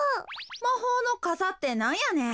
まほうのかさってなんやねん。